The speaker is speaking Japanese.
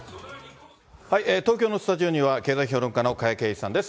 東京のスタジオには経済評論家の加谷珪一さんです。